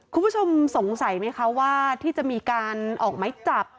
คุณผู้ชมสงสัยไหมคะว่าที่จะมีการออกไม้จับ